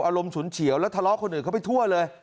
ฉุนเฉียวแล้วทะเลาะคนอื่นเข้าไปทั่วเลย